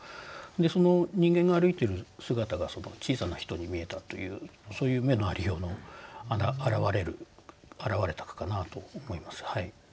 その人間が歩いてる姿が小さな人に見えたというそういう目のありようの表れた句かなと思います。